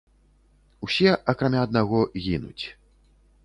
Усе, акрамя аднаго, гінуць.